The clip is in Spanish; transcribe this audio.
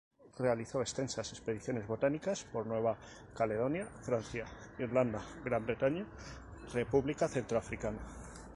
Realizó extensas expediciones botánicas por Nueva Caledonia, Francia, Irlanda, Gran Bretaña, República Centroafricana